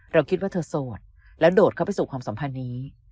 เราคิดว่าเธอโสดแล้วโดดเข้าไปสู่ความสัมพันธ์นี้